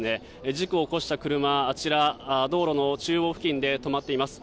事故を起こした車は、あちら道路の中央付近で止まっています。